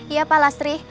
iya pak lastri